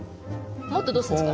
もっとどうするんですか？